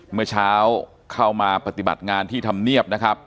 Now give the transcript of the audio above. เมื่อเช้าเข้ามาปฏิบัติงานที่ทำเนียบนะครับ